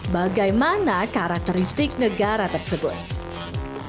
bagaimana karakteristik negara negara yang terkenal di rusia